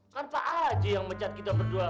kan pak haji yang mencat kita berdua